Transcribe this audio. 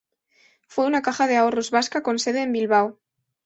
Fue una caja de ahorros vasca, con sede en Bilbao.